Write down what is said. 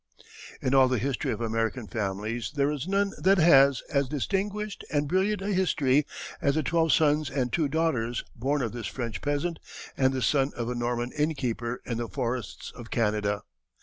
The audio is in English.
In all the history of American families there is none that has as distinguished and brilliant a history as the twelve sons and two daughters born of this French peasant and the son of a Norman innkeeper in the forests of Canada.